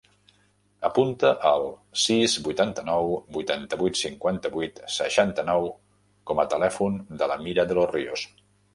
Apunta el sis, vuitanta-nou, vuitanta-vuit, cinquanta-vuit, seixanta-nou com a telèfon de l'Amira De Los Rios.